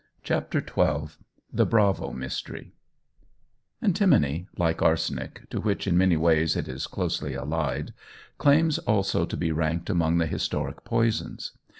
CHAPTER XII THE BRAVO MYSTERY ANTIMONY, like arsenic, to which in many ways it is closely allied, claims also to be ranked among the historic poisons.